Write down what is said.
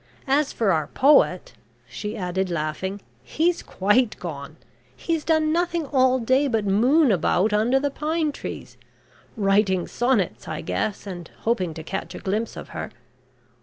As for our poet," she added, laughing, "he's quite gone. He's done nothing all day but moon about under the pine trees. Writing sonnets, I guess, and hoping to catch a glimpse of her.